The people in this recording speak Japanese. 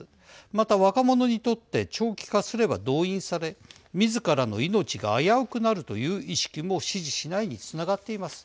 また、若者にとって長期化すれば動員されみずからの命が危うくなるという意識も支持しないにつながっています。